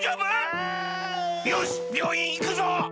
あ。よしびょういんいくぞ！